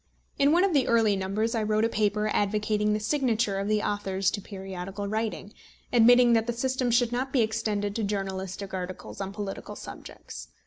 In one of the early numbers I wrote a paper advocating the signature of the authors to periodical writing, admitting that the system should not be extended to journalistic articles on political subjects.